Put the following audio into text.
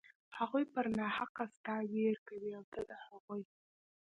هغوى پر ناحقه ستا وير کوي او ته د هغوى.